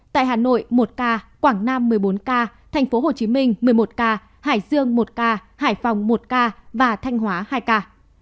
tại hà nội một ca quảng nam một mươi bốn ca tp hcm một mươi một ca hải dương một ca hải phòng một ca và thanh hóa hai ca